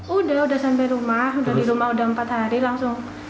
udah udah sampai rumah udah di rumah udah empat hari langsung